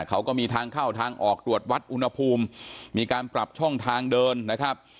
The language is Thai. เขาก็มีทางเข้าทางออกตรวจวัดอุณหภูมิมีการปรับช่องทางเดินนะครับ